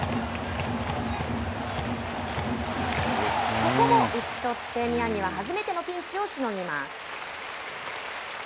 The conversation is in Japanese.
ここも打ち取って宮城は初めてのピンチをしのぎます。